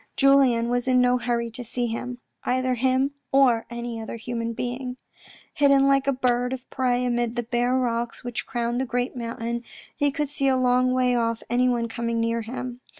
Julien was in no hurry to see him ; either him, or any other human being. Hidden like a bird of prey amid the bare rocks which crowned the great mountain, he could see a long way off anyone coming near him.